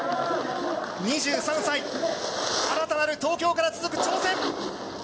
２３歳、新たなる東京から続く挑戦。